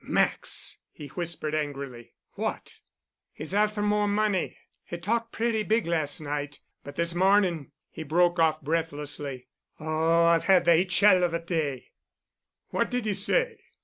"Max!" he whispered angrily. "What——?" "He's afther more money. He talked pretty big last night, but this mornin'——" He broke off breathlessly. "Oh, I've had the h—l of a day——" "What did he say?"